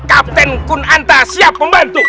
kapten kunanta siap membantu